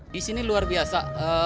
di sini luar biasa